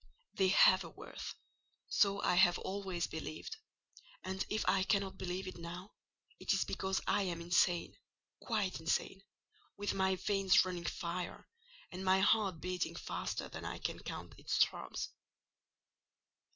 They have a worth—so I have always believed; and if I cannot believe it now, it is because I am insane—quite insane: with my veins running fire, and my heart beating faster than I can count its throbs.